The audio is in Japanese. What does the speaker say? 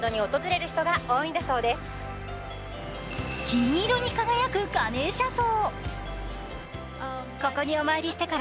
金色に輝くガネーシャ像。